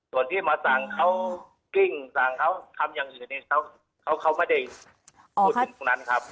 ส่วนที่มาสั่งเขากิ้งสั่งเขาทำอย่างอื่นเนี่ยเขาไม่ได้พูดถึงตรงนั้นครับ